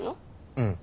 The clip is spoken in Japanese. うん。